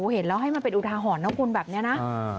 เห็นแล้วให้มันเป็นอุทาหรณ์นะคุณแบบนี้นะ